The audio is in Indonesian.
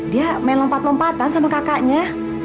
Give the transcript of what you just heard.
dia main lompat lompatan sama kakaknya